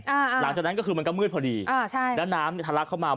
หลังจากนั้นก็คือมันก็มืดพอดีอ่าใช่แล้วน้ำเนี้ยทะลักเข้ามา